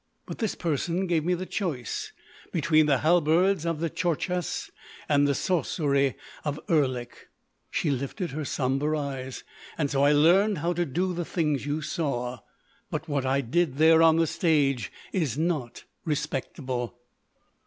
But this person gave me the choice between the halberds of the Tchortchas and the sorcery of Erlik." She lifted her sombre eyes. "So I learned how to do the things you saw. But—what I did there on the stage is not—respectable."